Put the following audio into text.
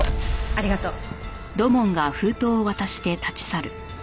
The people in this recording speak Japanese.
ありがとう。